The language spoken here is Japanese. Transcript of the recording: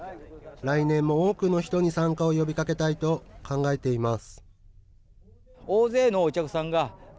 来年も多くの人に参加を呼びかけたいと考えています。